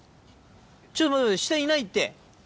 ちょっと待って、待って、下いないって。